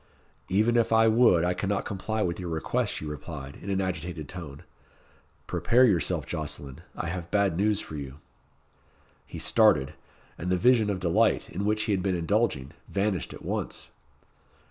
"Even if I would, I cannot comply with your request," she replied, in an agitated tone. "Prepare yourself, Jocelyn. I have bad news for you." He started; and the vision of delight, in which he had been indulging, vanished at once.